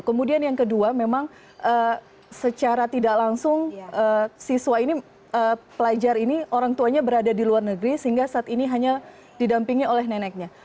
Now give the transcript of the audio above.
kemudian yang kedua memang secara tidak langsung siswa ini pelajar ini orang tuanya berada di luar negeri sehingga saat ini hanya didampingi oleh neneknya